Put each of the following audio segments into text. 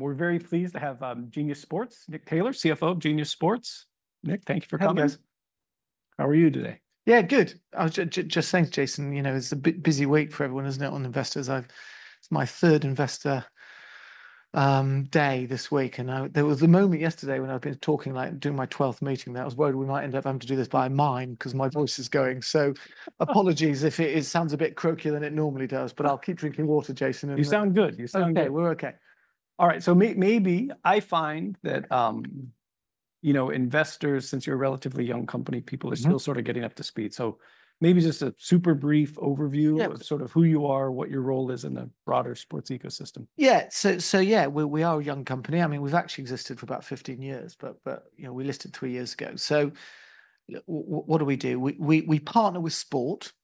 We're very pleased to have Genius Sports. Nick Taylor, CFO of Genius Sports. Nick, thank you for coming. Hi, guys. How are you today? Yeah, good. I was just saying to Jason, you know, it's a bit busy week for everyone, isn't it, on investors? It's my third investor day this week, and there was a moment yesterday when I'd been talking, like, doing my twelfth meeting, that I was worried we might end up having to do this by mime, 'cause my voice is going. Apologies if it sounds a bit croaky than it normally does, but I'll keep drinking water, Jason, and- You sound good. You sound good. Okay, we're okay. All right, so maybe, I find that, you know, investors, since you're a relatively young company, people- Mm-hmm... are still sort of getting up to speed. Maybe just a super brief overview— Yeah... of sort of who you are, what your role is in the broader sports ecosystem. Yeah. Yeah, we are a young company. I mean, we've actually existed for about 15 years, but, you know, we listed three years ago. What do we do? We partner with sport,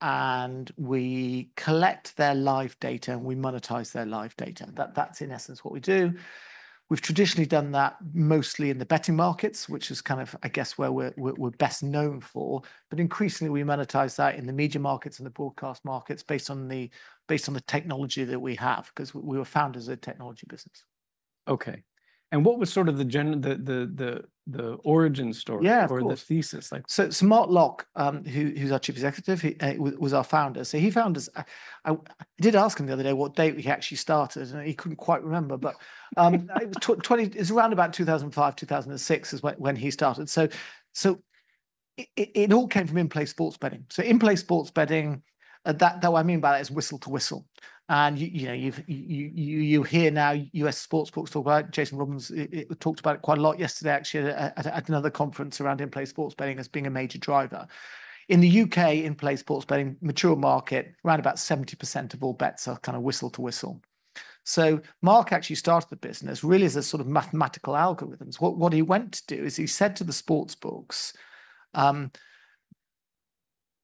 and we collect their live data, and we monetize their live data. That's, in essence, what we do. We've traditionally done that mostly in the betting markets, which is kind of, I guess, where we're best known for, but increasingly we monetize that in the media markets and the broadcast markets based on the technology that we have, 'cause we were founded as a technology business. Okay. What was sort of the gen- the, the, the origin story- Yeah, of course.... or the thesis like? Mark Locke, who's our Chief Executive, he was our founder, so he found us. I did ask him the other day what date he actually started, and he couldn't quite remember, but it was 20, it was around about 2005, 2006 is when he started. It all came from in-play sports betting. In-play sports betting, what I mean by that is whistle to whistle. You know, you hear now US sportsbooks talk about it. Jason Robins talked about it quite a lot yesterday, actually, at another conference around in-play sports betting as being a major driver. In the U.K., in-play sports betting, mature market, around about 70% of all bets are kind of whistle to whistle. Mark actually started the business really as a sort of mathematical algorithms. What he went to do is he said to the sportsbooks,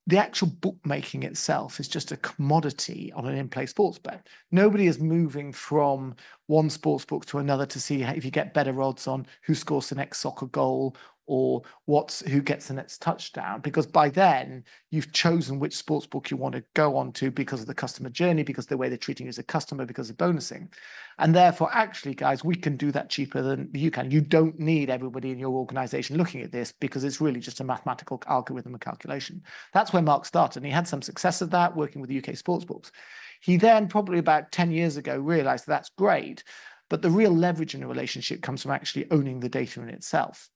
"The actual bookmaking itself is just a commodity on an in-play sports bet. Nobody is moving from one sportsbook to another to see if you get better odds on who scores the next soccer goal or who gets the next touchdown. Because by then, you've chosen which sportsbook you want to go onto because of the customer journey, because the way they're treating you as a customer, because of bonusing. Therefore, actually, guys, we can do that cheaper than you can. You don't need everybody in your organisation looking at this, because it's really just a mathematical algorithm, a calculation." That's where Mark started, and he had some success at that, working with the U.K. sportsbooks. He then, probably about 10 years ago, realised that's great, but the real leverage in the relationship comes from actually owning the data in itself.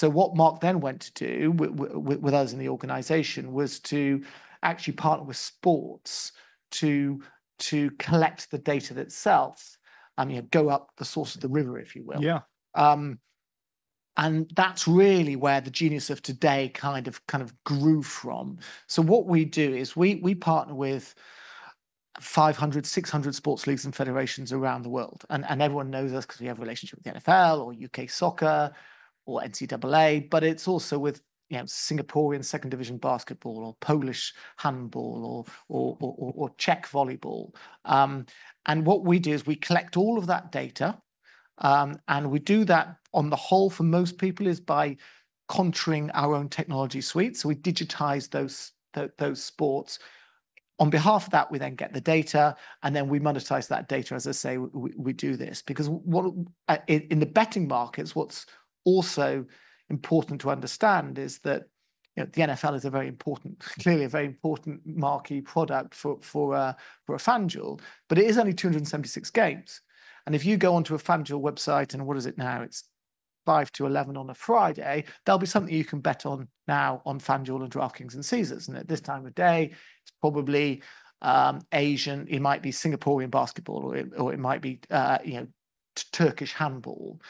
What Mark then went to do with us in the organisation was to actually partner with sports to, to collect the data itself, you know, go up the source of the river, if you will. Yeah. That's really where the genius of today kind of grew from. What we do is we partner with 500, 600 sports leagues and federations around the world, and everyone knows us because we have a relationship with the NFL or U.K. Soccer or NCAA, but it's also with, you know, Singaporean second division basketball or Polish handball or Czech volleyball. What we do is we collect all of that data, and we do that, on the whole, for most people, by controlling our own technology suite. We digitize those sports. On behalf of that, we then get the data, and then we monetize that data. As I say, we do this because what... In the betting markets, what's also important to understand is that, you know, the NFL is a very important, clearly a very important marquee product for, for FanDuel, but it is only 276 games. And if you go onto a FanDuel website, and what is it now? It's 5-11 on a Friday, there'll be something you can bet on now on FanDuel and DraftKings and Caesars, and at this time of day, it's probably, you know, Asian. It might be Singaporean basketball, or it might be, you know, Turkish handball.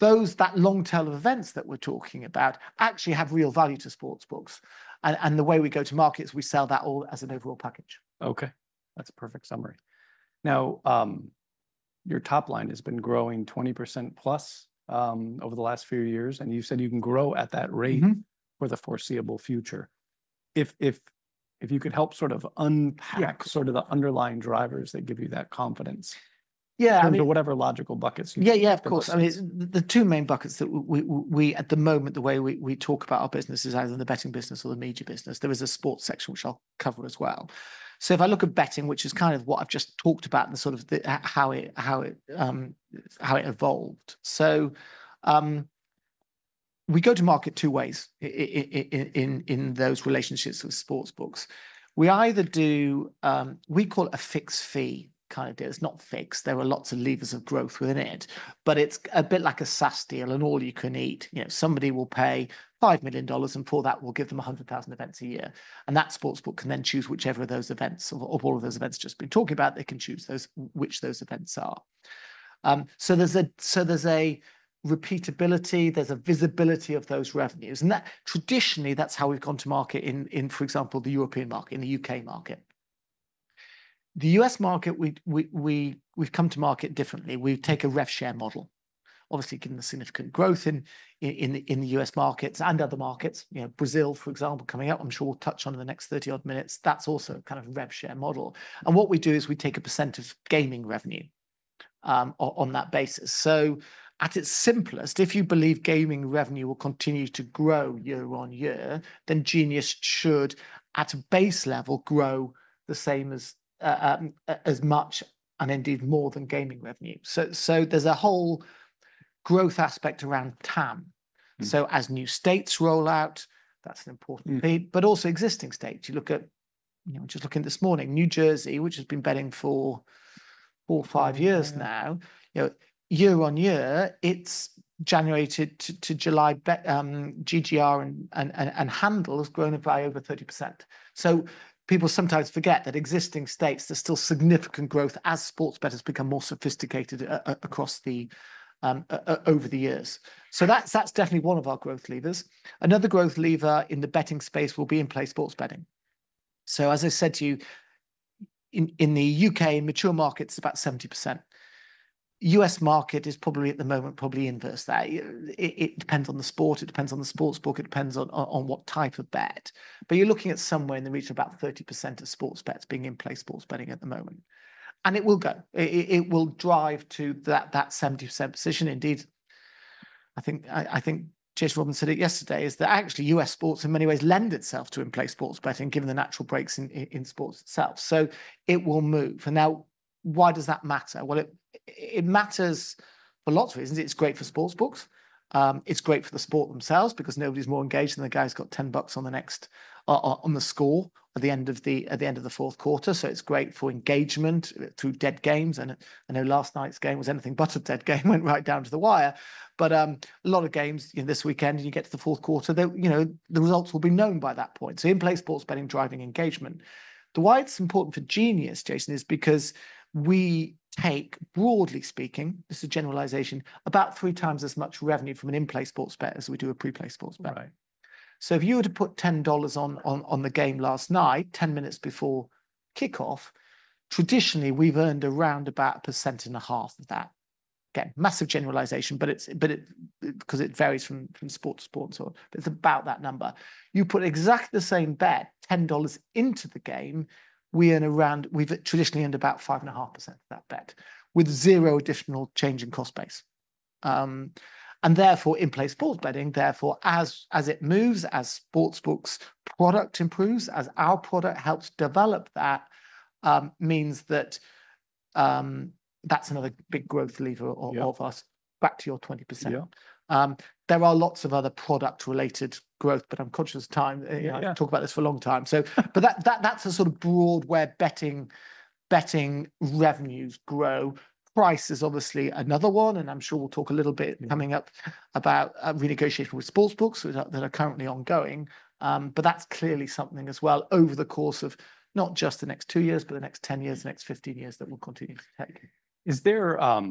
Those, that long tail of events that we're talking about actually have real value to sportsbooks, and the way we go to markets, we sell that all as an overall package. Okay, that's a perfect summary. Now, your top line has been growing 20% plus over the last few years, and you've said you can grow at that rate- Mm-hmm ...for the foreseeable future. If you could help sort of unpack— Yeah... sort of the underlying drivers that give you that confidence. Yeah, I mean- ...into whatever logical buckets. Yeah, yeah, of course. Yeah. I mean, the two main buckets that we, we, at the moment, the way we, we talk about our business is either the betting business or the media business. There is a sports section, which I'll cover as well. If I look at betting, which is kind of what I've just talked about and sort of the, how it, how it evolved. We go to market two ways in those relationships with sportsbooks. We either do, we call it a fixed fee kind of deal. It's not fixed. There are lots of levers of growth within it, but it's a bit like a SaaS deal, an all-you-can-eat. You know, somebody will pay $5 million, and for that, we'll give them 100,000 events a year, and that sportsbook can then choose whichever of those events or all of those events just been talking about, they can choose those, which those events are. There's a repeatability, there's a visibility of those revenues, and that—traditionally, that's how we've gone to market in, for example, the European market and the U.K. market. The U.S. market, we've come to market differently. We take a rev share model. Obviously, given the significant growth in the U.S. markets and other markets, you know, Brazil, for example, coming up, I'm sure we'll touch on in the next 30-odd minutes, that's also kind of a rev share model. What we do is we take a % of gaming revenue... On that basis. At its simplest, if you believe gaming revenue will continue to grow year on year, then Genius should, at a base level, grow the same as, as much, and indeed more than gaming revenue. There is a whole growth aspect around TAM. Mm. As new states roll out, that's an important thing. Mm. Also existing states. You look at, you know, just looking this morning, New Jersey, which has been betting for four, five years now. Mm... year on year, its January to July bet, GGR and handle has grown by over 30%. People sometimes forget that existing states, there's still significant growth as sports bettors become more sophisticated across the U.S. over the years. That's definitely one of our growth levers. Another growth lever in the betting space will be in-play sports betting. As I said to you, in the U.K., mature market's about 70%. U.S. market is probably at the moment, probably inverse that. It depends on the sport, it depends on the sportsbook, it depends on what type of bet. You're looking at somewhere in the region of about 30% of sports bets being in-play sports betting at the moment. It will go. It will drive to that 70% position. Indeed, I think, I think Jason Robins said it yesterday, is that actually, U.S. sports in many ways lend itself to in-play sports betting, given the natural breaks in, in sports itself. It will move. Now, why does that matter? It matters for lots of reasons. It's great for sportsbooks. It's great for the sport themselves, because nobody's more engaged than the guy who's got $10 on the next... on the score at the end of the, at the end of the fourth quarter. It's great for engagement through dead games. I know last night's game was anything but a dead game, went right down to the wire. A lot of games, you know, this weekend, you get to the fourth quarter, the, you know, the results will be known by that point. In-play sports betting driving engagement. Why it's important for Genius, Jason, is because we take, broadly speaking, this is a generalization, about three times as much revenue from an in-play sports bet as we do a pre-play sports bet. Right. If you were to put $10 on the game last night, 10 minutes before kickoff, traditionally we've earned around about 1.5% of that. Again, massive generalization, but it varies from sport to sport, so it's about that number. You put exactly the same bet, $10, into the game, we've traditionally earned about 5.5% of that bet, with zero additional change in cost base. In-play sports betting, therefore, as it moves, as sportsbooks' product improves, as our product helps develop that, means that that's another big growth lever. Yeah... of us. Back to your 20%. Yeah. There are lots of other product-related growth, but I'm conscious of time. Yeah I can talk about this for a long time. That, that's a sort of broad where betting, betting revenues grow. Price is obviously another one, and I'm sure we'll talk a little bit— Mm... coming up about, renegotiating with sportsbooks, that are, that are currently ongoing. That's clearly something as well, over the course of not just the next two years, but the next 10 years, the next 15 years, that we'll continue to take. Is there, I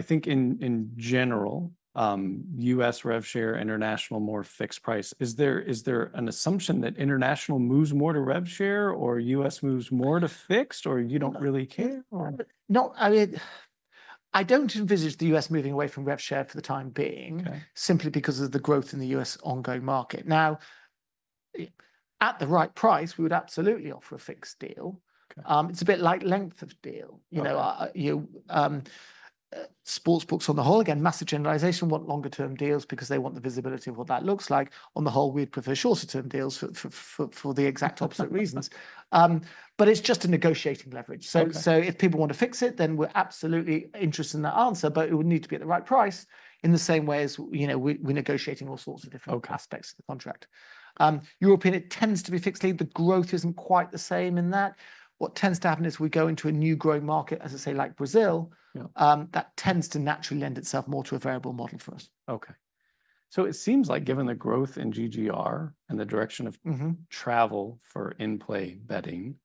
think in general, U.S. rev share, international, more fixed price. Is there an assumption that international moves more to rev share, or U.S. moves more to fixed, or you don't really care, or? No, I don't envisage the U.S. moving away from rev share for the time being. Okay... simply because of the growth in the U.S. ongoing market. Now, at the right price, we would absolutely offer a fixed deal. Okay. It's a bit like length of deal. Right. You know, you, sportsbooks on the whole, again, massive generalization, want longer term deals because they want the visibility of what that looks like. On the whole, we'd prefer shorter term deals for the exact opposite reasons. It's just a negotiating leverage. Okay. If people want to fix it, then we're absolutely interested in that answer, but it would need to be at the right price, in the same way as, you know, we're negotiating all sorts of different- Okay ...aspects of the contract. European, it tends to be fixed length. The growth isn't quite the same in that. What tends to happen is we go into a new growing market, as I say, like Brazil- Yeah... that tends to naturally lend itself more to a variable model for us. Okay. It seems like given the growth in GGR and the direction of— Mm-hmm... travel for in-play betting,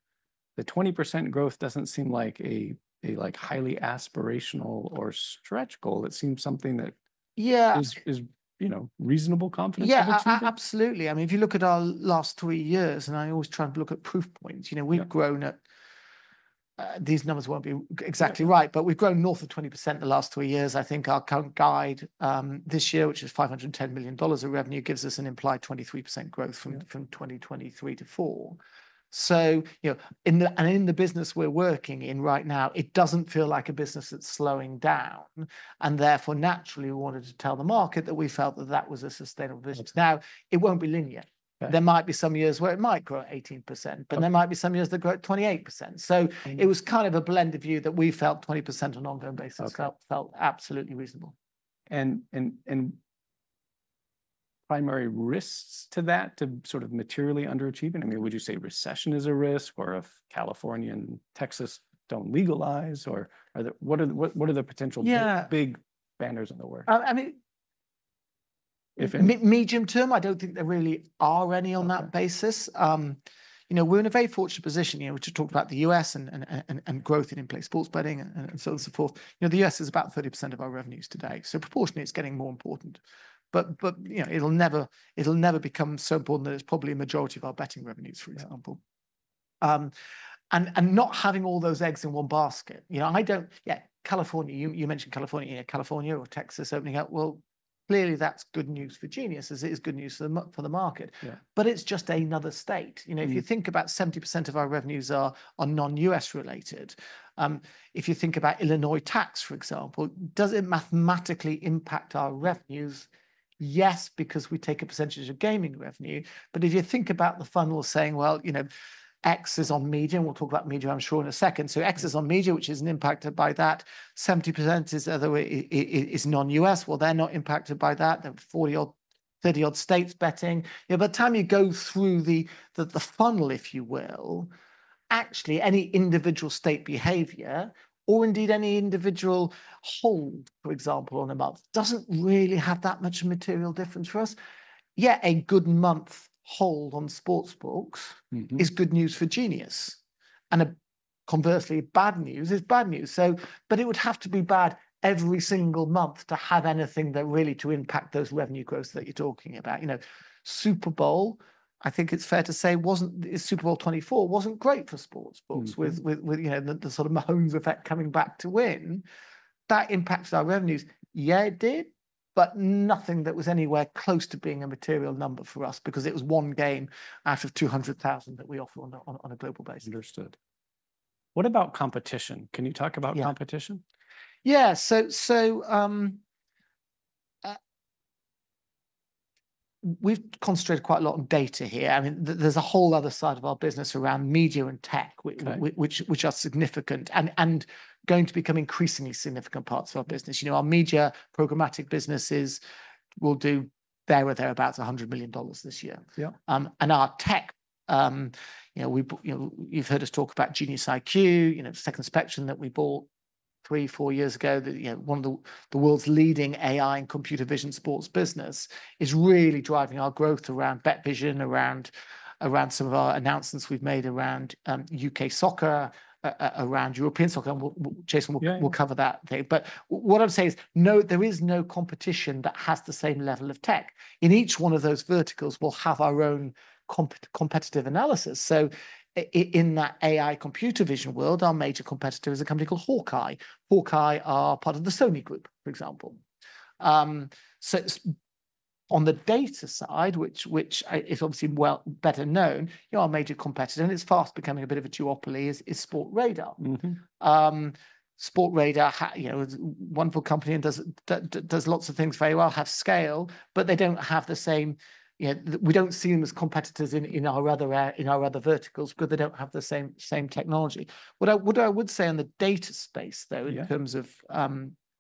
the 20% growth doesn't seem like a, like, highly aspirational or stretch goal. It seems something that- Yeah... is, is, you know, reasonable confidence for achievement? Yeah, absolutely. I mean, if you look at our last three years, and I always try and look at proof points, you know— Yeah... we've grown at, these numbers won't be exactly right- Yeah... but we've grown north of 20% the last three years. I think our current guide this year, which is $510 million of revenue, gives us an implied 23% growth from- Yeah... from 2023-2024. You know, in the- and in the business we're working in right now, it doesn't feel like a business that's slowing down, and therefore, naturally we wanted to tell the market that we felt that that was a sustainable business. Okay. Now, it won't be linear. Right. There might be some years where it might grow 18%. Okay... but there might be some years that grow 28%. Mm. It was kind of a blended view that we felt 20% on an ongoing basis. Okay... felt, felt absolutely reasonable. Primary risks to that, to sort of materially underachieving? I mean, would you say recession is a risk, or if California and Texas don't legalize, or are there... What are the, what, what are the potential- Yeah... big banners in the work? I mean- If any... medium term, I don't think there really are any on that basis. Okay. You know, we're in a very fortunate position, you know, to talk about the U.S. and growth in in-play sports betting and so forth. You know, the U.S. is about 30% of our revenues today, so proportionately it's getting more important. You know, it'll never become so important that it's probably a majority of our betting revenues, for example. Yeah. And not having all those eggs in one basket. You know, I don't... Yeah, California, you mentioned California. California or Texas opening up, clearly that's good news for Genius, as it is good news for the market. Yeah. It's just another state. Mm. You know, if you think about 70% of our revenues are, are non-U.S. related. If you think about Illinois tax, for example, does it mathematically impact our revenues? Yes, because we take a percentage of gaming revenue. If you think about the funnel saying, "You know, X is on media," and we'll talk about media, I'm sure, in a second. X is on media, which isn't impacted by that. 70% is the other way, is non-U.S. They're not impacted by that. There are 40-odd, 30-odd states betting. You know, by the time you go through the funnel, if you will, actually any individual state behavior, or indeed any individual hold, for example, on a month, doesn't really have that much material difference for us. Yet a good month hold on sportsbooks— Mm-hmm... is good news for Genius. Conversely, bad news is bad news, so. It would have to be bad every single month to have anything that really to impact those revenue growths that you're talking about. You know, Super Bowl, I think it's fair to say, wasn't, Super Bowl 2024 wasn't great for sports books- Mm... with, with, with, you know, the, the sort of Mahomes effect coming back to win. That impacts our revenues. Yeah, it did, but nothing that was anywhere close to being a material number for us because it was one game out of 200,000 that we offer on a, on a, on a global basis. Understood. What about competition? Can you talk about competition? Yeah. Yeah, so, we've concentrated quite a lot on data here. I mean, there's a whole other side of our business around media and tech- Okay... which are significant and going to become increasingly significant parts of our business. You know, our media programmatic businesses will do there or thereabouts $100 million this year. Yeah. And our tech, you know, we've been, you know, you've heard us talk about Genius IQ, you know, Second Spectrum that we bought three, four years ago, that, you know, one of the world's leading AI and computer vision sports business, is really driving our growth around BetVision, around, around some of our announcements we've made around U.K. soccer, around European soccer. And we'll, we'll- Yeah Jason, we'll cover that today. What I'm saying is, no, there is no competition that has the same level of tech. In each one of those verticals, we'll have our own competitive analysis. In that AI computer vision world, our major competitor is a company called Hawk-Eye. Hawk-Eye are part of the Sony Group, for example. On the data side, which is obviously well, better known, our major competitor, and it's fast becoming a bit of a duopoly, is Sportradar. Mm-hmm. Sportradar is a wonderful company and does, does lots of things very well, have scale, but they don't have the same... You know, we don't see them as competitors in, in our other, in our other verticals, because they don't have the same, same technology. What I, what I would say on the data space, though— Yeah... in terms of,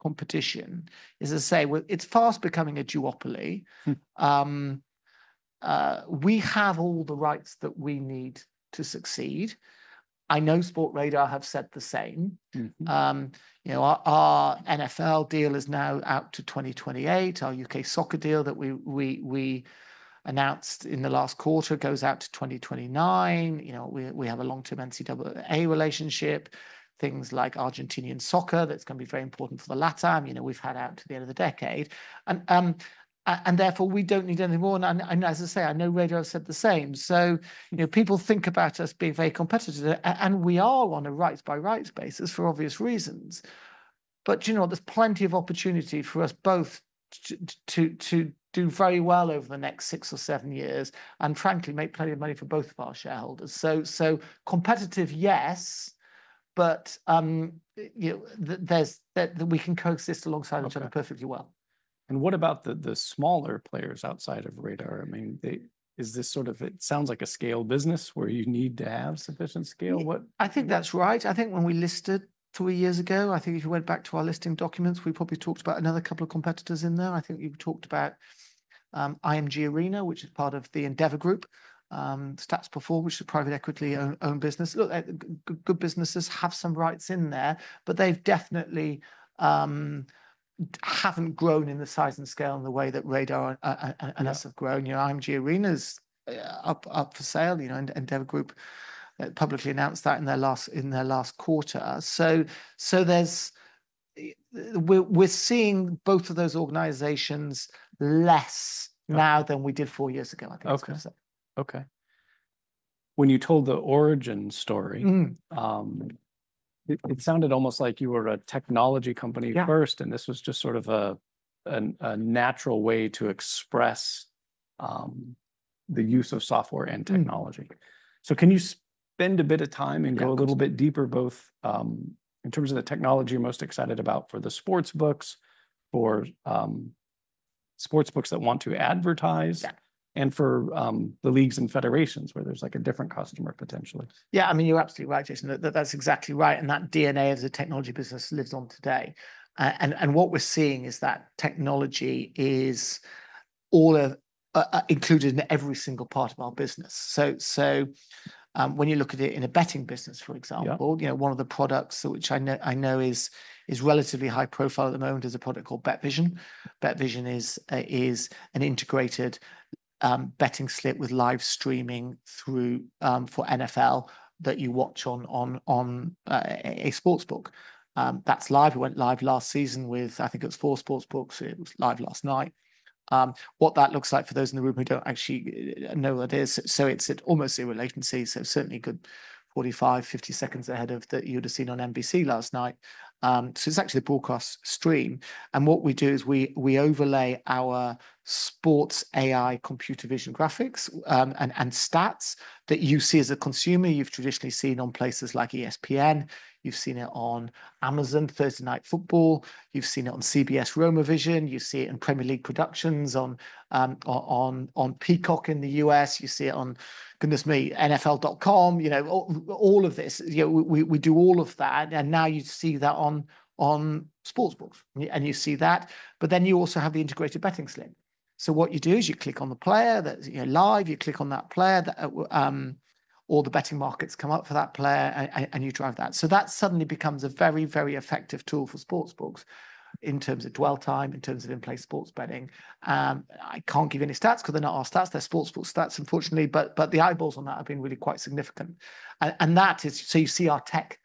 competition, is to say, well, it's fast becoming a duopoly. Hmm. We have all the rights that we need to succeed. I know Sportradar have said the same. Mm-hmm. You know, our NFL deal is now out to 2028. Our U.K. soccer deal that we announced in the last quarter goes out to 2029. You know, we have a long-term NCAA relationship. Things like Argentinian soccer, that's going to be very important for the Latam, you know, we've had out to the end of the decade. And therefore, we don't need any more. As I say, I know Radar said the same. You know, people think about us being very competitive, and we are on a rights by rights basis for obvious reasons. You know what? There's plenty of opportunity for us both to do very well over the next six or seven years, and frankly, make plenty of money for both of our shareholders. So, so competitive, yes, but, you know, there's, we can coexist alongside each other. Okay... perfectly well. What about the, the smaller players outside of Radar? I mean, they, is this sort of... It sounds like a scale business where you need to have sufficient scale. What— I think that's right. I think when we listed three years ago, I think if you went back to our listing documents, we probably talked about another couple of competitors in there. I think we've talked about IMG Arena, which is part of the Endeavor Group, Stats Perform, which is a private equity owned business. Look, good businesses have some rights in there, but they've definitely, haven't grown in the size and scale and the way that Radar and us— Yeah... have grown. You know, IMG Arena's up, up for sale. You know, Endeavor Group publicly announced that in their last, in their last quarter. We're seeing both of those organizations less- Yeah... now than we did four years ago, I think— Okay I was going to say. Okay. When you told the origin story— Mm... it sounded almost like you were a technology company- Yeah... first, and this was just sort of a, a natural way to express, the use of software and technology. Mm. Can you spend a bit of time- Yeah... and go a little bit deeper, both in terms of the technology you're most excited about for the sports books, for sports books that want to advertise- Yeah... and for the leagues and federations, where there's, like, a different customer potentially? Yeah, I mean, you're absolutely right, Jason. That's exactly right, and that DNA as a technology business lives on today. And what we're seeing is that technology is all included in every single part of our business. So, when you look at it in a betting business, for example— Yeah... you know, one of the products which I know is, is relatively high profile at the moment is a product called BetVision. BetVision is an integrated betting slip with live streaming through, for NFL that you watch on, on, on a sports book. That's live. It went live last season with, I think it was four sports books. It was live last night. What that looks like for those in the room who don't actually know what it is, so it's at almost zero latency, so certainly a good 45-50 seconds ahead of that you'd have seen on NBC last night. It's actually a broadcast stream, and what we do is we overlay our sports AI computer vision graphics and stats that you see as a consumer, you've traditionally seen on places like ESPN. You've seen it on Amazon Thursday Night Football, you've seen it on CBS RomoVision, you see it in Premier League Productions on Peacock in the U.S., you see it on, goodness me, NFL.com, you know, all of this. You know, we do all of that, and now you see that on sportsbooks. You see that, but then you also have the integrated betting slip. What you do is you click on the player that's live, you click on that player, all the betting markets come up for that player, and you drive that. That suddenly becomes a very, very effective tool for sportsbooks in terms of dwell time, in terms of in-play sports betting. I can't give you any stats, because they're not our stats. They're Sportsbooks stats, unfortunately, but the eyeballs on that have been really quite significant. That is- you see our tech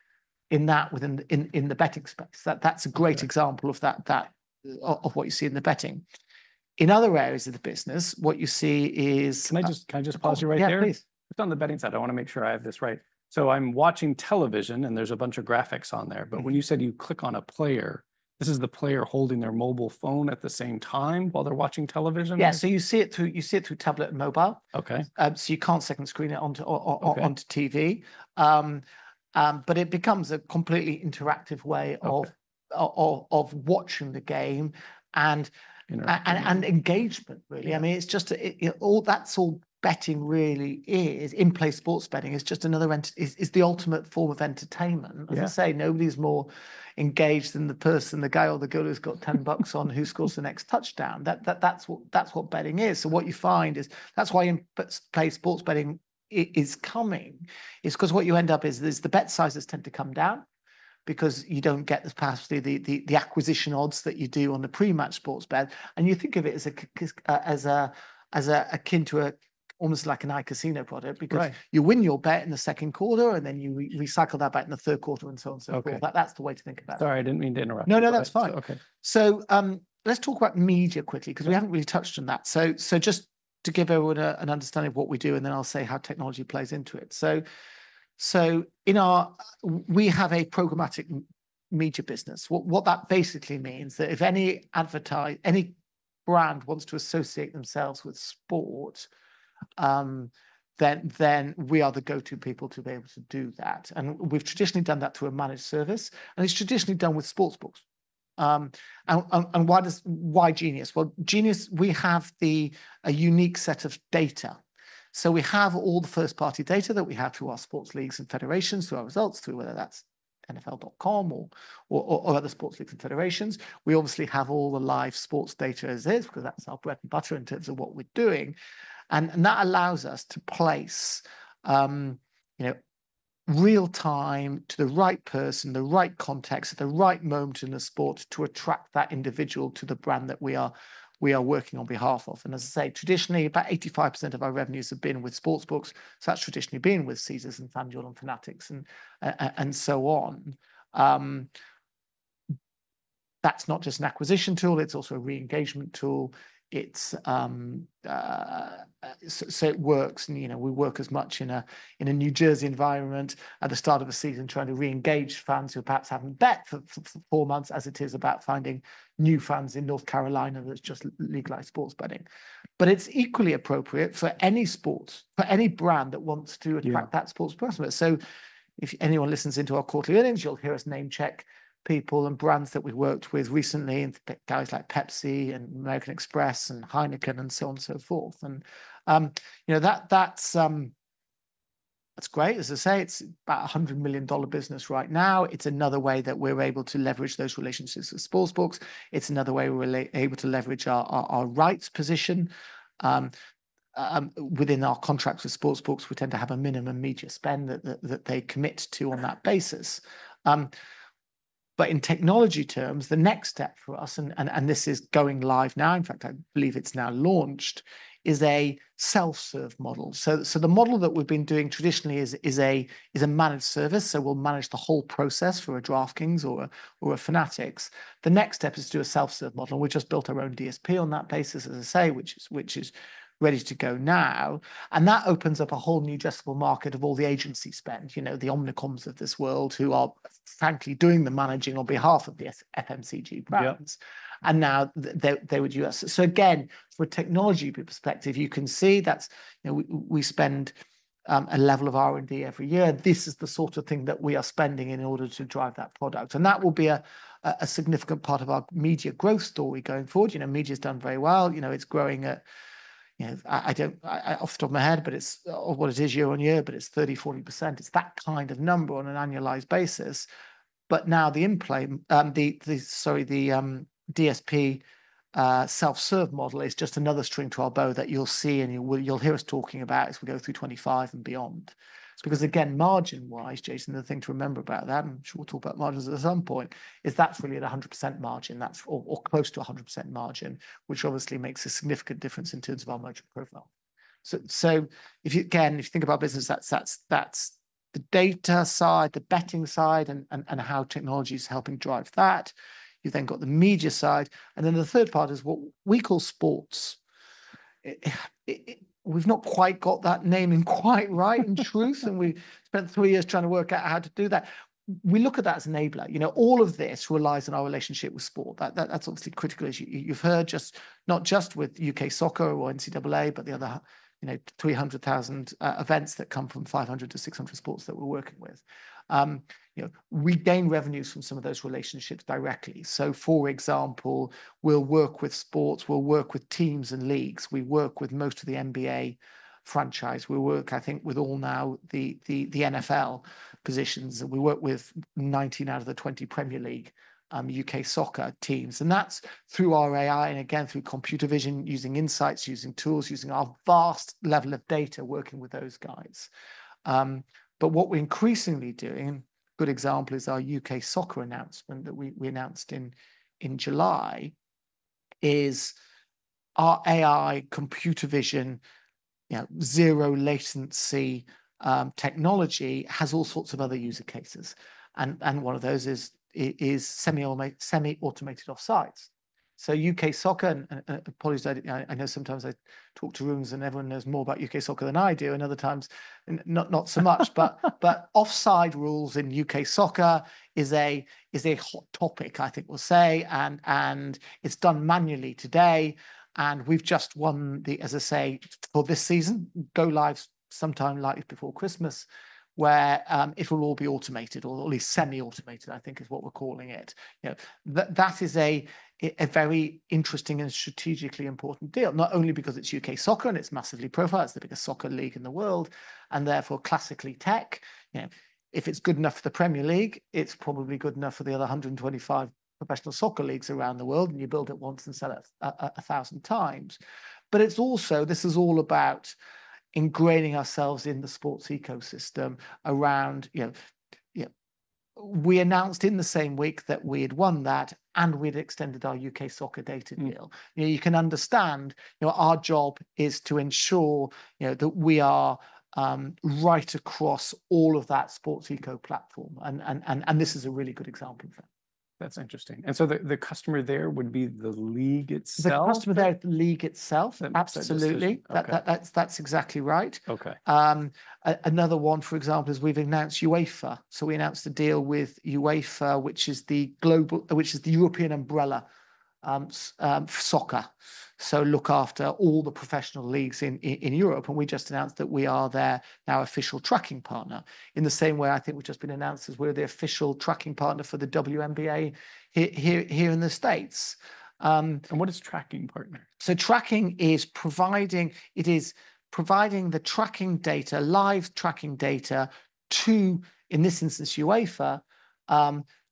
in that, within, in, in the betting space. That's a great example of that, of what you see in the betting. In other areas of the business, what you see is- Can I just, can I just pause you right there? Yeah, please. Just on the betting side, I wanna make sure I have this right. I'm watching television, and there's a bunch of graphics on there. Mm-hmm. When you said you click on a player, this is the player holding their mobile phone at the same time while they're watching television? Yeah, so you see it through, you see it through tablet and mobile. Okay. You can't second screen it onto onto— Okay... TV. It becomes a completely interactive way of- Okay... of, of watching the game and- You know... and engagement, really. I mean, it's just, you know, all, that's all betting really is, in-play sports betting. It's just another ent- it's, it's the ultimate form of entertainment. Yeah. As I say, nobody's more engaged than the person, the guy or the girl who's got $10 on who scores the next touchdown. That's what betting is. What you find is that's why in-play sports betting is coming, is 'cause what you end up is, the bet sizes tend to come down, because you don't get the pass through the acquisition odds that you do on the pre-match sports bet. You think of it as akin to almost like an iCasino product. Right... because you win your bet in the second quarter, and then you recycle that bet in the third quarter, and so on and so forth. Okay. That's the way to think about it. Sorry, I didn't mean to interrupt. No, no, that's fine. Okay. Let's talk about media quickly. Mm... 'cause we haven't really touched on that. Just to give everyone an understanding of what we do, and then I'll say how technology plays into it. In our- we have a programmatic media business. What that basically means, that if any advertise- any brand wants to associate themselves with sport, then we are the go-to people to be able to do that. We've traditionally done that through a managed service, and it's traditionally done with sportsbooks. And why does- why Genius? Well, Genius, we have a unique set of data. We have all the first-party data that we have through our sports leagues and federations, through our results, through whether that's NFL.com or other sports leagues and federations. We obviously have all the live sports data as is, because that's our bread and butter in terms of what we're doing, and that allows us to place, you know, real time to the right person, the right context, at the right moment in the sport to attract that individual to the brand that we are, we are working on behalf of. As I say, traditionally, about 85% of our revenues have been with sportsbooks, so that's traditionally been with Caesars and FanDuel and Fanatics and so on. That's not just an acquisition tool, it's also a re-engagement tool. It's, So it works, and, you know, we work as much in a New Jersey environment at the start of a season, trying to re-engage fans who perhaps haven't bet for four months, as it is about finding new fans in North Carolina that's just legalized sports betting. But it's equally appropriate for any sport, for any brand that wants to attract- Yeah... that sports person. If anyone listens into our quarterly earnings, you'll hear us name-check people and brands that we've worked with recently, and guys like Pepsi and American Express and Heineken, and so on and so forth. You know, that's great. As I say, it's about a $100 million business right now. It's another way that we're able to leverage those relationships with sportsbooks. It's another way we're able to leverage our rights position. Within our contracts with sportsbooks, we tend to have a minimum media spend that they commit to on that basis. In technology terms, the next step for us, and this is going live now, in fact, I believe it's now launched, is a self-serve model. The model that we've been doing traditionally is a managed service, so we'll manage the whole process for a DraftKings or a Fanatics. The next step is to do a self-serve model. We've just built our own DSP on that basis, as I say, which is ready to go now, and that opens up a whole new addressable market of all the agency spend. You know, the Omnicoms of this world, who are frankly doing the managing on behalf of the FMCG brands. Yeah. Now they would use us. Again, from a technology perspective, you can see that's, you know, we spend a level of R&D every year. This is the sort of thing that we are spending in order to drive that product, and that will be a significant part of our media growth story going forward. You know, media's done very well. You know, it's growing at, you know, I don't... I, off the top of my head, but it's, or what it is year on year, but it's 30-40%. It's that kind of number on an annualized basis. Now the in-play, the, sorry, the DSP, self-serve model is just another string to our bow that you'll see, and you'll hear us talking about as we go through 2025 and beyond. Because, again, margin-wise, Jason, the thing to remember about that, and I'm sure we'll talk about margins at some point, is that's really at 100% margin. That's, or, or close to 100% margin, which obviously makes a significant difference in terms of our margin profile. If you, again, if you think about business, that's the data side, the betting side, and how technology's helping drive that. You've then got the media side, and then the third part is what we call sports. We've not quite got that naming quite right, in truth, and we've spent three years trying to work out how to do that. We look at that as enabler. You know, all of this relies on our relationship with sport. That, that, that's obviously critical, as you, you've heard, not just with U.K.Soccer or NCAA, but the other, you know, 300,000 events that come from 500 to 600 sports that we're working with. You know, we gain revenues from some of those relationships directly. For example, we'll work with sports, we'll work with teams and leagues. We work with most of the NBA franchise. We work, I think, with all now the, the, the NFL positions, and we work with 19 out of the 20 Premier League U.K. soccer teams, and that's through our AI, and again, through computer vision, using insights, using tools, using our vast level of data working with those guys. What we're increasingly doing, a good example is our U.K. Soccer announcement that we announced in July, is our AI computer vision, you know, zero latency technology has all sorts of other user cases, and one of those is semi-automated offsides. U.K. Soccer, and apologies, I know sometimes I talk to rooms and everyone knows more about U.K. Soccer than I do, and other times, not so much. Offside rules in U.K. Soccer is a hot topic, I think we'll say, and it's done manually today, and we've just won the, as I say, for this season, go live sometime likely before Christmas, where it will all be automated or at least semi-automated, I think is what we're calling it. You know, that is a very interesting and strategically important deal. Not only because it's U.K. Soccer and it's massively profiled, it's the biggest soccer league in the world, and therefore classically tech. You know, if it's good enough for the Premier League, it's probably good enough for the other 125 professional soccer leagues around the world, and you build it once and sell it a thousand times. This is all about ingraining ourselves in the sports ecosystem around, you know... Yeah, we announced in the same week that we had won that and we'd extended our U.K. Soccer data deal. Mm. You know, you can understand, you know, our job is to ensure, you know, that we are right across all of that sports eco platform, and this is a really good example of that. That's interesting. The customer there would be the league itself? The customer there, the league itself. That decision. Absolutely. Okay. That's exactly right. Okay. Another one, for example, is we've announced UEFA. We announced a deal with UEFA, which is the European umbrella for soccer, so look after all the professional leagues in Europe, and we just announced that we are their now official tracking partner. In the same way, I think we've just been announced as we're the official tracking partner for the WNBA here in the States. What is tracking partner? Tracking is providing, it is providing the tracking data, live tracking data, to, in this instance, UEFA,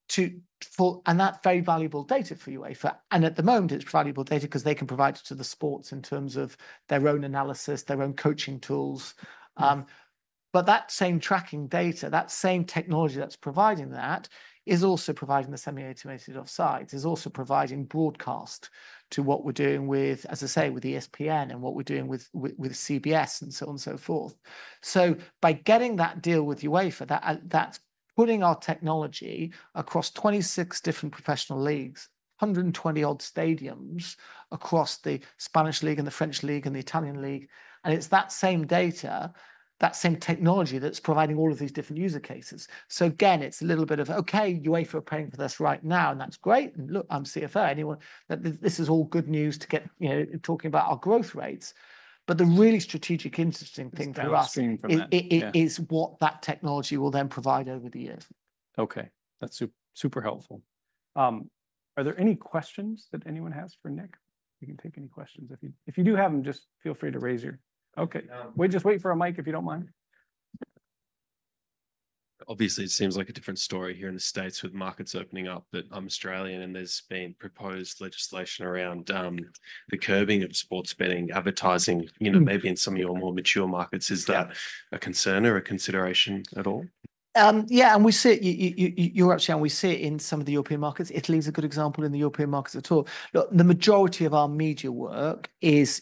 to, for... And that's very valuable data for UEFA. At the moment it's valuable data 'cause they can provide it to the sports in terms of their own analysis, their own coaching tools. Mm. That same tracking data, that same technology that's providing that, is also providing the semi-automated offsides, is also providing broadcast to what we're doing with, as I say, with ESPN and what we're doing with CBS, and so on and so forth. By getting that deal with UEFA, that's putting our technology across 26 different professional leagues, 120-odd stadiums across the Spanish League and the French League and the Italian League, and it's that same data, that same technology, that's providing all of these different user cases. Again, it's a little bit of, okay, UEFA are paying for this right now, and that's great. Look, I'm CFO, anyone—this, this is all good news to get, you know, talking about our growth rates. The really strategic interesting thing for us— Downstream from that, yeah.... is what that technology will then provide over the years. Okay, that's super helpful. Are there any questions that anyone has for Nick? We can take any questions if you... If you do have them, just feel free to raise your... Okay. Um- We just wait for a mic, if you don't mind. Obviously, it seems like a different story here in the States with markets opening up, but I'm Australian, and there's been proposed legislation around the curbing of sports betting advertising. Mm... you know, maybe in some of your more mature markets. Yeah. Is that a concern or a consideration at all? Yeah, and we see it, you're actually, and we see it in some of the European markets. Italy is a good example in the European markets at all. Look, the majority of our media work is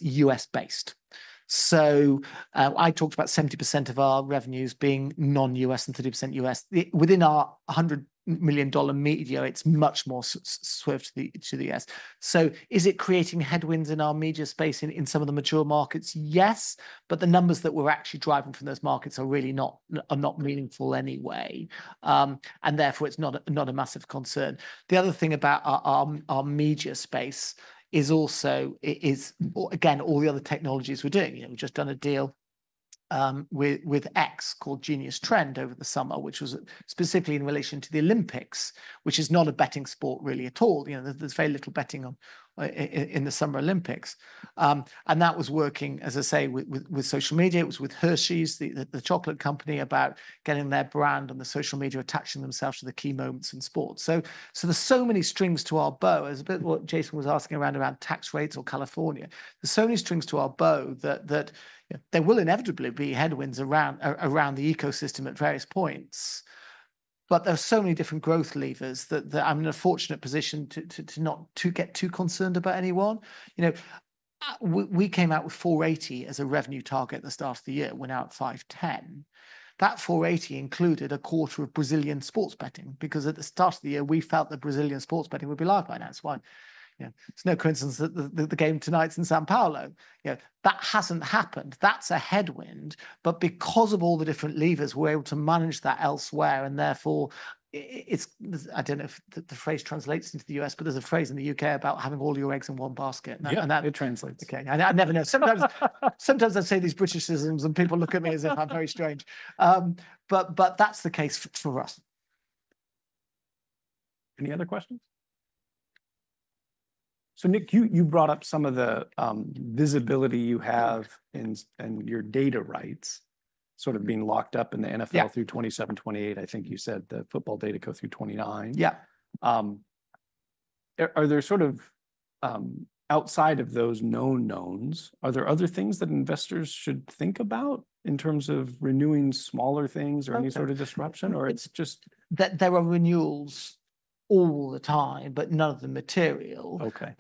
U.S.-based. I talked about 70% of our revenues being non-U.S..and 30% U.S. Within our $100 million media, it's much more swerved to the U.S. Is it creating headwinds in our media space in some of the mature markets? Yes, but the numbers that we're actually driving from those markets are really not, are not meaningful anyway, and therefore it's not a massive concern. The other thing about our media space is also, is, or again, all the other technologies we're doing. You know, we've just done a deal with X called Trend Genius over the summer, which was specifically in relation to the Olympics, which is not a betting sport really at all. You know, there's very little betting on, in the Summer Olympics. That was working, as I say, with social media. It was with Hershey, the chocolate company, about getting their brand on the social media, attaching themselves to the key moments in sport. There are so many strings to our bow. It's a bit what Jason was asking around, about tax rates or California. There are so many strings to our bow that, you know, there will inevitably be headwinds around, around the ecosystem at various points... but there are so many different growth levers that I'm in a fortunate position to not get too concerned about any one. You know, we came out with $480 million as a revenue target at the start of the year, went out $510 million. That $480 million included a quarter of Brazilian sports betting, because at the start of the year we felt that Brazilian sports betting would be live by now. That's why, you know, it's no coincidence that the game tonight's in São Paulo. You know, that hasn't happened. That's a headwind, but because of all the different levers, we're able to manage that elsewhere, and therefore, it's... I don't know if the phrase translates into the U.S., but there's a phrase in the U.K. about having all your eggs in one basket. And that- Yeah, it translates. Okay. I, I'd never know. Sometimes I say these Britishisms and people look at me as if I'm very strange. But that's the case for us. Any other questions? Nick, you brought up some of the visibility you have in s- and your data rights sort of being locked up in the NFL. Yeah... through 2728. I think you said the football data go through 2029. Yeah. Are, are there sort of, outside of those known knowns, are there other things that investors should think about in terms of renewing smaller things? Okay... or any sort of disruption, or it's just— That there are renewals all the time, but none of them material. Okay.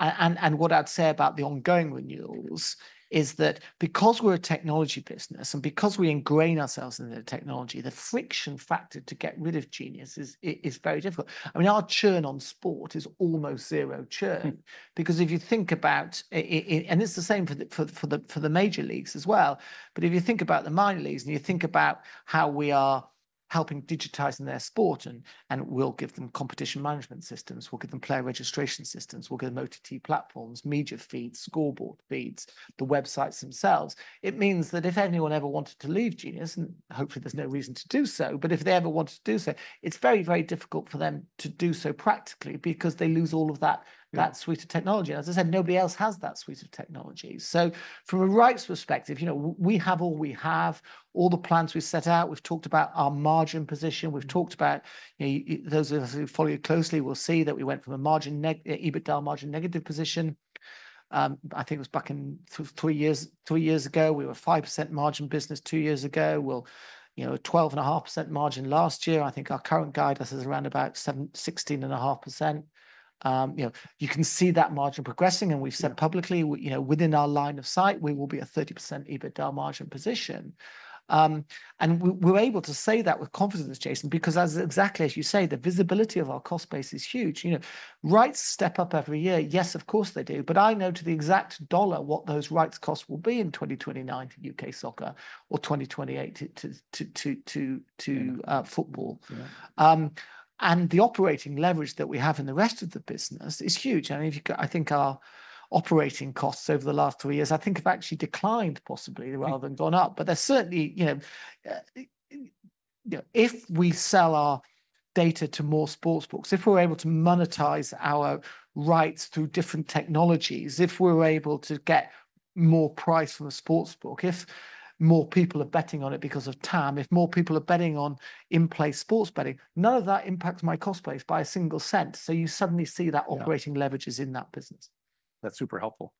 What I'd say about the ongoing renewals is that because we're a technology business and because we ingrain ourselves in the technology, the friction factor to get rid of Genius is very difficult. I mean, our churn on sport is almost zero churn. Mm. Because if you think about it, and it's the same for the, for the major leagues as well, but if you think about the minor leagues, and you think about how we are helping digitizing their sport, and we'll give them competition management systems, we'll give them player registration systems, we'll give them OTT platforms, media feeds, scoreboard feeds, the websites themselves, it means that if anyone ever wanted to leave Genius, and hopefully there's no reason to do so, but if they ever wanted to do so, it's very, very difficult for them to do so practically because they lose all of that, that suite of technology. As I said, nobody else has that suite of technology. From a rights perspective, you know, we have all we have, all the plans we've set out, we've talked about our margin position. Mm.... we've talked about, those of us who've followed it closely will see that we went from a margin EBITDA margin negative position, I think it was back in three years, three years ago. We were a 5% margin business two years ago. We're, you know, a 12.5% margin last year. I think our current guidance is around about 16.5%. You know, you can see that margin progressing, and we've said- Yeah... publicly, you know, within our line of sight, we will be a 30% EBITDA margin position. We are able to say that with confidence, Jason, because as exactly as you say, the visibility of our cost base is huge. You know, rights step up every year. Yes, of course they do, but I know to the exact dollar what those rights costs will be in 2029 in U.K. soccer or 2028 in football. Yeah. And the operating leverage that we have in the rest of the business is huge. I mean, if you go, I think our operating costs over the last three years, I think have actually declined possibly— Right... rather than gone up. There's certainly, you know, you know, if we sell our data to more sportsbooks, if we're able to monetize our rights through different technologies, if we're able to get more price from a sportsbook, if more people are betting on it because of TAM, if more people are betting on in-play sports betting, none of that impacts my cost base by a single cent. You suddenly see that- Yeah... operating leverage is in that business. That's super helpful.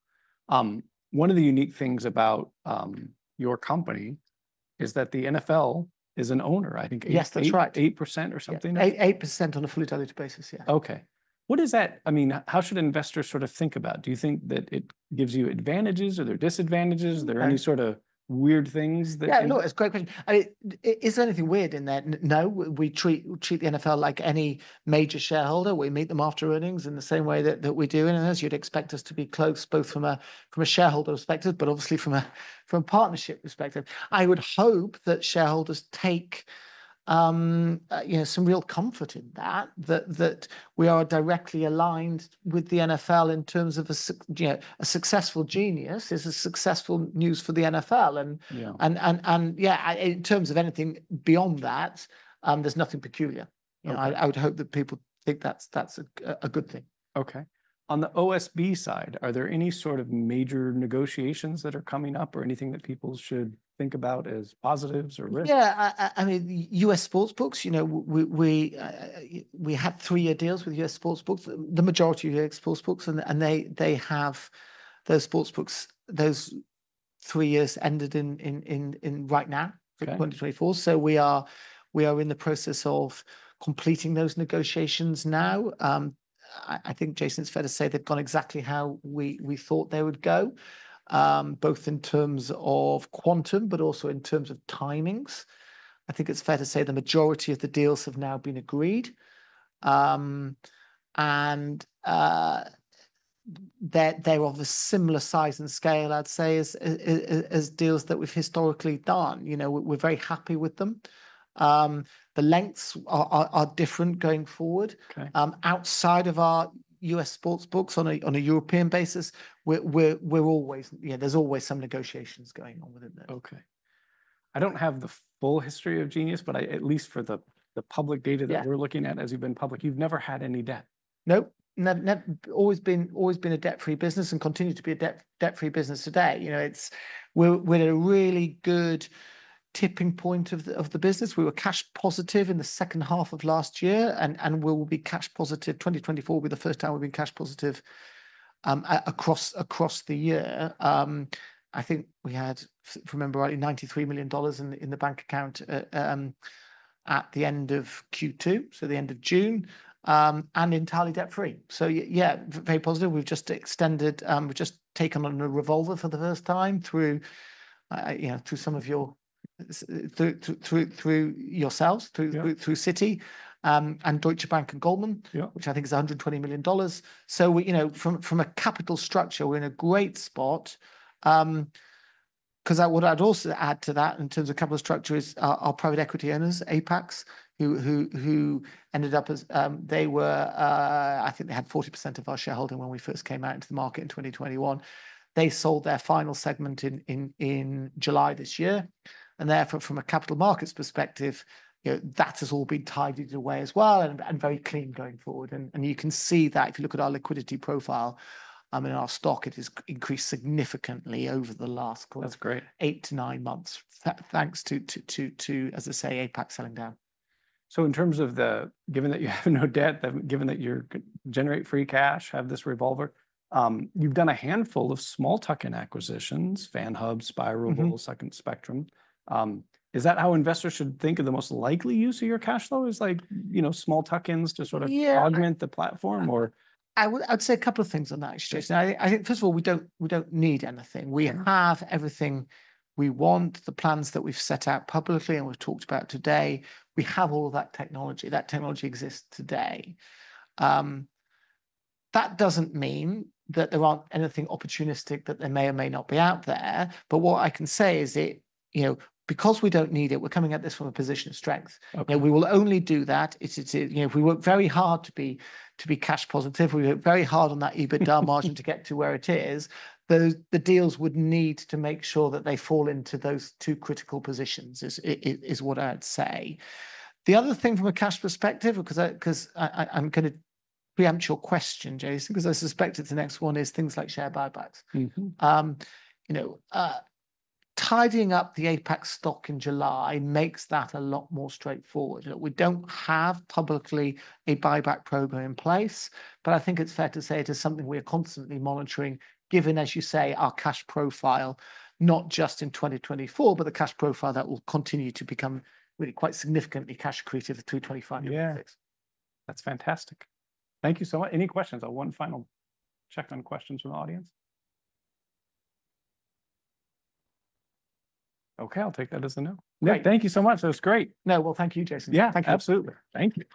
One of the unique things about your company is that the NFL is an owner, I think eight- Yes, that's right.... 8% or something like that? Yeah, 8%, on a fully diluted basis, yeah. Okay. What does that... I mean, how should investors sort of think about? Do you think that it gives you advantages? Are there disadvantages? Okay. Are there any sort of weird things that- Yeah, no, it's a great question. I mean, is there anything weird in that? No, we treat the NFL like any major shareholder. We meet them after earnings in the same way that we do. As you'd expect us to be close, both from a shareholder perspective, but obviously from a partnership perspective. I would hope that shareholders take, you know, some real comfort in that, that we are directly aligned with the NFL in terms of a su... You know, a successful Genius is a successful news for the NFL, and- Yeah... and, and yeah, in terms of anything beyond that, there's nothing peculiar. Okay. I would hope that people think that's a good thing. Okay. On the OSB side, are there any sort of major negotiations that are coming up or anything that people should think about as positives or risks? Yeah, I mean, U.S. sportsbooks, you know, we had three-year deals with U.S. sportsbooks, the majority of U.S. sportsbooks, and they have those sportsbooks. Those three years ended in, in, in right now- Okay... for 2024. We are in the process of completing those negotiations now. I think, Jason, it's fair to say they've gone exactly how we thought they would go, both in terms of quantum, but also in terms of timings. I think it's fair to say the majority of the deals have now been agreed. They're of a similar size and scale, I'd say, as deals that we've historically done. You know, we're very happy with them. The lengths are different going forward. Okay. Outside of our U.S. sportsbooks, on a, on a European basis, we're, we're always... You know, there's always some negotiations going on within there. Okay. I don't have the full history of Genius, but I, at least for the public data— Yeah... that we're looking at, as you've been public, you've never had any debt. Nope. Never, never... Always been, always been a debt-free business and continue to be a debt-free business today. You know, it's... We're, we're in a really good tipping point of the business. We were cash positive in the second half of last year, and we will be cash positive, 2024 will be the first time we've been cash positive across the year. I think we had, if I remember rightly, $93 million in the bank account at the end of Q2, so the end of June, and entirely debt-free. Yeah, very positive. We've just extended, we've just taken on a revolver for the first time through, you know, through some of your, through yourselves. Yeah... through, through Citi, and Deutsche Bank and Goldman- Yeah... which I think is $120 million. We, you know, from a capital structure, we're in a great spot. What I'd also add to that in terms of capital structure is our private equity owners, Apax Partners, who ended up as, I think they had 40% of our shareholding when we first came out into the market in 2021. They sold their final segment in July this year, and therefore, from a capital markets perspective, you know, that has all been tidied away as well and very clean going forward. You can see that if you look at our liquidity profile, I mean, our stock, it has increased significantly over the last— That's great... eight to nine months, thanks to, as I say, Apax selling down. In terms of the... Given that you have no debt, then given that you're generate free cash, have this revolver, you've done a handful of small tuck-in acquisitions, FanHub, Spirable- Mm-hmm... Second Spectrum. Is that how investors should think of the most likely use of your cash flow, is like, you know, small tuck-ins to sort of- Yeah... augment the platform or? I'd say a couple of things on that, Jason. I think, first of all, we don't, we don't need anything. Yeah. We have everything we want. The plans that we've set out publicly and we've talked about today, we have all of that technology. That technology exists today. That doesn't mean that there aren't anything opportunistic that there may or may not be out there, but what I can say is it, you know, because we don't need it, we're coming at this from a position of strength. Okay. We will only do that if we work very hard to be cash positive, we work very hard on that EBITDA margin to get to where it is, those deals would need to make sure that they fall into those two critical positions, is what I'd say. The other thing from a cash perspective, because I, I'm gonna pre-empt your question, Jason, because I suspect it's the next one, is things like share buybacks. Mm-hmm. You know, tidying up the Apax stock in July makes that a lot more straightforward. You know, we don't have publicly a buyback program in place, but I think it's fair to say it is something we're constantly monitoring, given, as you say, our cash profile, not just in 2024, but the cash profile that will continue to become really quite significantly cash accretive in 2025 and 2026. Yeah. That's fantastic. Thank you so much. Any questions or one final check on questions from the audience? Okay, I'll take that as a no. Great. Thank you so much. That was great. No, thank you, Jason. Yeah. Thank you. Absolutely. Thank you.